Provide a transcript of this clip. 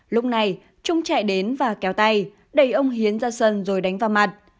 lúc này trung chạy đến và kéo tay đẩy ông hiến ra sân rồi đánh vào mặt